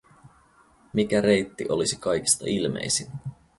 Mikä reitti olisi kaikista ilmeisin?